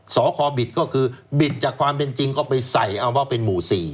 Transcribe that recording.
สคบิดก็คือบิดจากความเป็นจริงก็ไปใส่เอาว่าเป็นหมู่๔